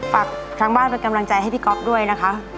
ฝากทางบ้านเป็นกำลังใจให้พี่ก๊อฟด้วยนะคะ